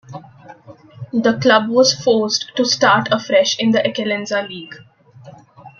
The club was forced to start afresh in the Eccellenza league.